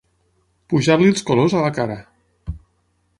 Pujar-li els colors a la cara.